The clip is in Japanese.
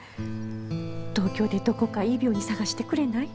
東京でどこかいい病院探してくれない？